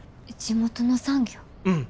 うん。